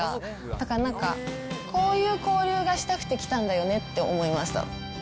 だからなんか、こういう交流がしたくて来たんだよねって思いました。